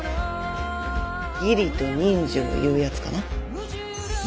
義理と人情いうやつかな。